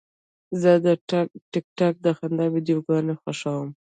زه د ټک ټاک د خندا ویډیوګانې خوښوم.